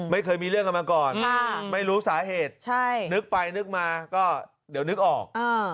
ไม่เคยมีเรื่องกันมาก่อนไม่รู้สาเหตุนึกไปนึกมาก็เดี๋ยวนึกออก